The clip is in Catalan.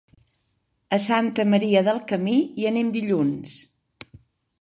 A Santa Maria del Camí hi anem dilluns.